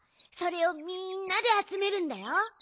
それをみんなであつめるんだよ。